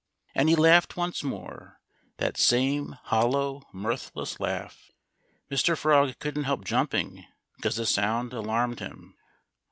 And he laughed once more—that same hollow, mirthless laugh. Mr. Frog couldn't help jumping, because the sound alarmed him.